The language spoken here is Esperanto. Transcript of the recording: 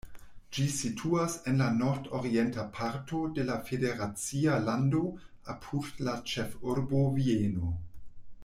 Ĝi situas en la nordorienta parto de la federacia lando, apud la ĉefurbo Vieno.